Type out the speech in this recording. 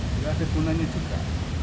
tidak ada gunanya juga